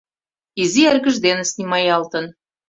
Изи эргыж дене снимаялтын.